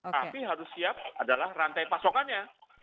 tapi harus siap adalah rantai pasokannya